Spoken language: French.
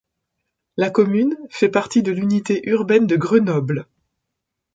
La commune fait partie de l'unité urbaine de Grenoble.